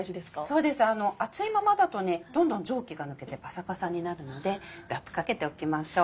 そうです熱いままだとどんどん蒸気が抜けてパサパサになるのでラップ掛けておきましょう。